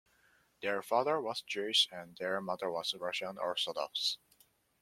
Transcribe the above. Their father was Jewish and their mother was Russian Orthodox.